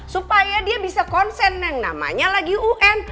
supaya dia bisa konsen yang namanya lagi un